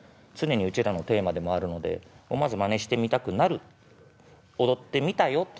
つねにうちらのテーマでもあるので思わずマネしてみたくなる踊ってみたよ